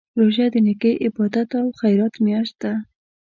روژه د نېکۍ، عبادت او خیرات میاشت ده.